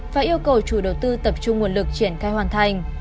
và yêu cầu chủ đầu tư tập trung nguồn lực triển khai hoàn thành